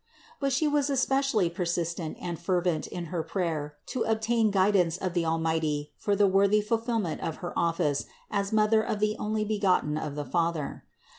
152. But She was especially persistent and fervent in her prayer to obtain guidance of the Almighty for the worthy fulfillment of her office as Mother of the Onlybegotten of the Father.